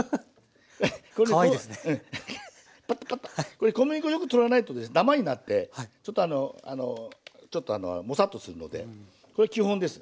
これ小麦粉よく取らないとダマになってちょっとあのあのちょっとモサッとするのでこれ基本です。